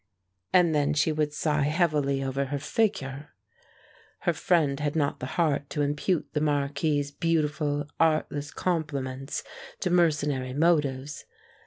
And then she would sigh heavily over her figure. Her friend had not the heart to impute the marquis's beautiful, artless compliments to mercenary motives.